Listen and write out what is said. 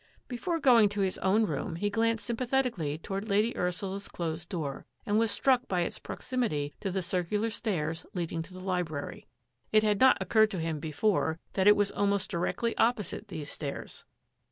Before going to his own room he glanced sym pathetically toward Lady Ursula's closed door and was struck by its proximity to the circular stairs leading to the library. It had not occurred to him before that it was almost directly opposite these stairs.